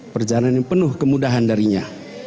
perjalanan yang penuh kemudahan darinya